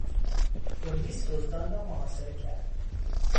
پلیس دزدان را محاصره کرد.